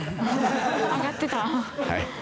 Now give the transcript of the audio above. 上がってた。